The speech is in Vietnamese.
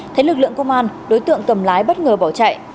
thấy lực lượng công an đối tượng cầm lái bất ngờ bỏ chạy